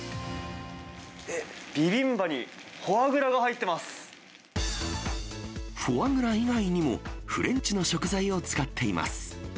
ビビンバにフォアグラが入っフォアグラ以外にも、フレンチの食材を使っています。